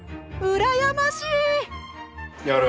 うらやましい！